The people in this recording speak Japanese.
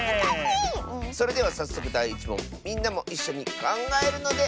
それではさっそくだい１もんみんなもいっしょにかんがえるのである！